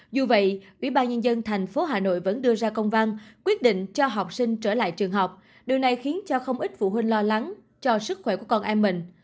dù vậy ủy ban nhân dân thành phố hà nội vẫn đưa ra công văn quyết định cho học sinh trở lại trường học điều này khiến cho không ít phụ huynh lo lắng cho sức khỏe của con em mình